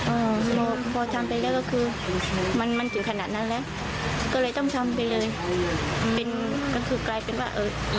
เออพอทำไปแล้วก็คือมันมันถึงขนาดนั้นแล้วก็เลยต้องทำไปเลย